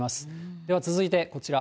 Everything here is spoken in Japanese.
では続いてこちら。